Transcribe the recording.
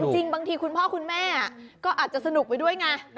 จริงบางทีคุณพ่อคุณแม่ก็อาจจะสนุกไปด้วยไง